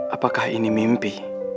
apakah ini mimpi